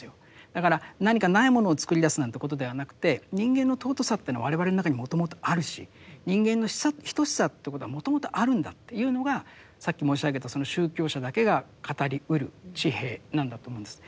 だから何か無いものを作り出すなんてことではなくて人間の尊さというのは我々の中にもともとあるし人間の等しさってことはもともとあるんだっていうのがさっき申し上げた宗教者だけが語りうる地平なんだと思うんです。